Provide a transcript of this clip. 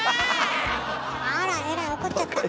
あらえらい怒っちゃった！